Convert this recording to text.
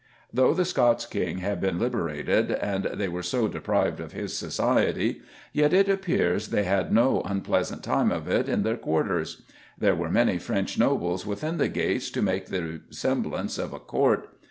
Though the Scots King had been liberated and they were so deprived of his society, yet it appears they had no unpleasant time of it in their quarters. There were many French nobles within the gates to make the semblance of a court.